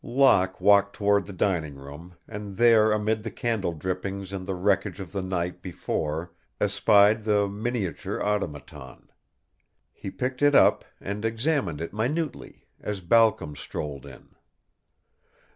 Locke walked toward the dining room, and there amid the candle drippings and the wreckage of the night before espied the miniature automaton. He picked it up and examined it minutely as Balcom strolled in.